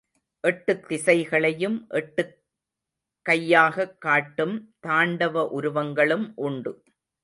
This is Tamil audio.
எட்டுத் திசைகளையும் எட்டுக் கையாகக் காட்டும் தாண்டவ உருவங்களும் உண்டு.